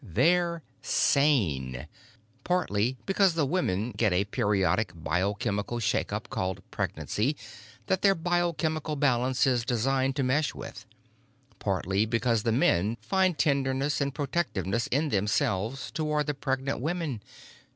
They're sane. Partly because the women get a periodic biochemical shakeup called pregnancy that their biochemical balance is designed to mesh with. Partly because the men find tenderness and protectiveness in themselves toward the pregnant women.